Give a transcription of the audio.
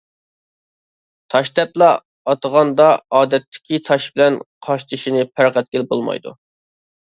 «تاش» دەپلا ئاتىغاندا، ئادەتتىكى تاش بىلەن قاشتېشىنى پەرق ئەتكىلى بولمايدۇ.